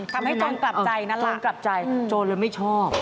ทำให้โจรกลับใจนักละโจรกลับใจโจรเลยไม่ชอบ